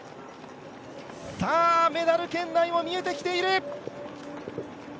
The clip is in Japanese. メダル圏内も見えてきている！